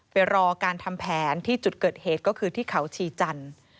ไปรอการทำแผนที่จุดเกิดเหตุก็คือที่เขาชีจันทร์